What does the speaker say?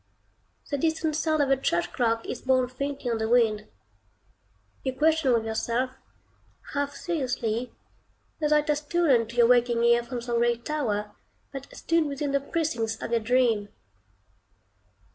The distant sound of a church clock is borne faintly on the wind. You question with yourself, half seriously, whether it has stolen to your waking ear from some gray tower, that stood within the precincts of your dream.